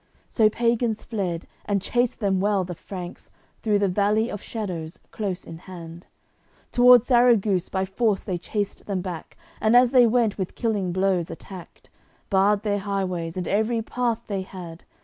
So pagans fled, and chased them well the Franks Through the Valley of Shadows, close in hand; Towards Sarraguce by force they chased them back, And as they went with killing blows attacked: Barred their highways and every path they had.